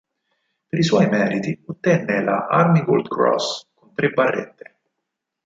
Per i suoi meriti ottenne la Army Gold Cross con tre barrette.